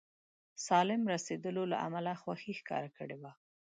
سالم رسېدلو له امله خوښي ښکاره کړې وه.